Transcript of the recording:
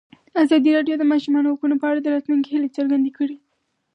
ازادي راډیو د د ماشومانو حقونه په اړه د راتلونکي هیلې څرګندې کړې.